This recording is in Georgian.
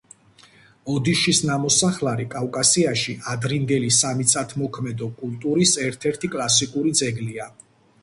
ოდიშის ნამოსახლარი კავკასიაში ადრინდელი სამიწათმოქმედო კულტურის ერთ–ერთი კლასიკური ძეგლია.